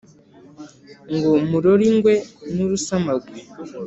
ngo murore ingwe n’urusamagwe